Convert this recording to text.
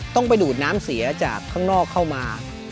ต้องไปดูดน้ำเสียจากข้างนอกเข้ามา